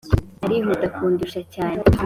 arihuta kundusha cyane